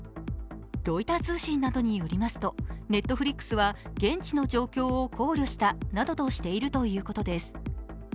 ロイター通信などによりますとＮｅｔｆｌｉｘは現地の状況を考慮したなどとしているということです。